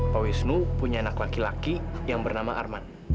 pak wisnu punya anak laki laki yang bernama arman